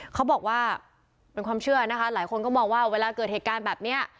เขาบอกว่าเป็นความเชื่อนะคะหลายคนก็มองว่าเวลาเกิดเหตุการณ์แบบนี้